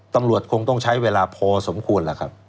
ตำรวจคงต้องใช้เวลาพอสมควรแล้วครับ